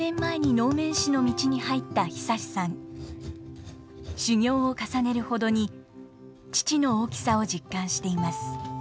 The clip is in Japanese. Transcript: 修業を重ねるほどに父の大きさを実感しています。